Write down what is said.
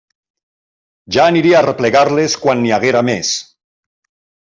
Ja aniria a arreplegar-les quan n'hi haguera més.